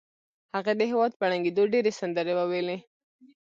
هغې د هېواد په ړنګېدو ډېرې سندرې وویلې